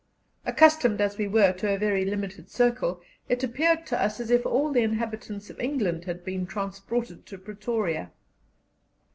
Accustomed as we were to a very limited circle, it appeared to us as if all the inhabitants of England had been transported to Pretoria.